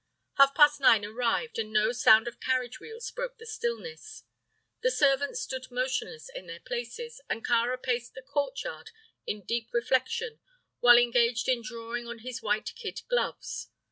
Half past nine arrived, but no sound of carriage wheels broke the stillness. The servants stood motionless in their places, and Kāra paced the courtyard in deep reflection while engaged in drawing on his white kid gloves.